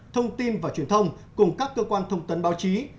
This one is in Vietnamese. thông tin và truyền thông cùng các cơ quan thông tấn báo chí